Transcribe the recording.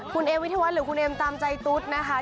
คุณเอวิทยาวัฒน์หรือคุณเอ็มตามใจตุ๊ดนะคะ